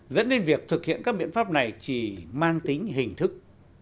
dẫn đến việc thực hiện các biện pháp này chỉ mang tính hình thức